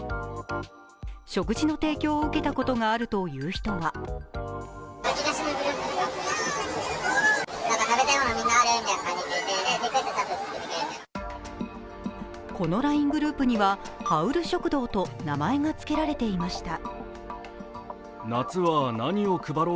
食事の提供を受けたことがあるという人はこのＬＩＮＥグループにはハウル食堂と名前がつけられていました。